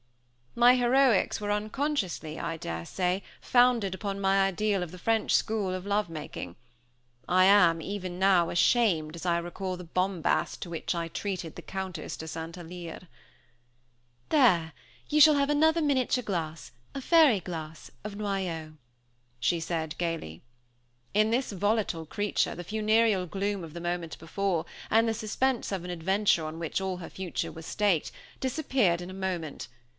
My heroics were unconsciously, I daresay, founded upon my ideal of the French school of lovemaking. I am, even now, ashamed as I recall the bombast to which I treated the Countess de St. Alyre. "There, you shall have another miniature glass a fairy glass of noyau," she said gaily. In this volatile creature, the funereal gloom of the moment before, and the suspense of an adventure on which all her future was staked, disappeared in a moment.